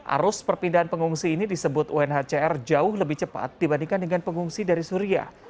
arus perpindahan pengungsi ini disebut unhcr jauh lebih cepat dibandingkan dengan pengungsi dari suria